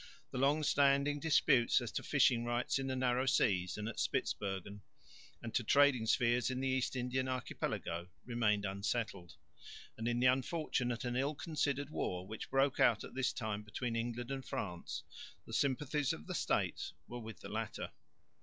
The long standing disputes as to fishing rights in the narrow seas and at Spitsbergen, and as to trading spheres in the East Indian Archipelago, remained unsettled; and in the unfortunate and ill considered war, which broke out at this time between England and France, the sympathies of the States were with the latter.